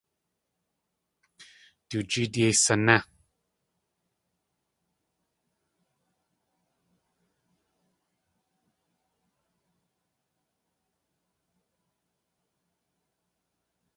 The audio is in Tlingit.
Du jeet yéi sané!